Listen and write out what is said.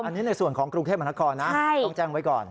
อันนี้ในส่วนของกรุงเทพมหานครนะต้องแจ้งไว้ก่อน